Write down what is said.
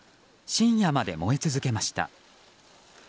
深夜まで燃え続けました。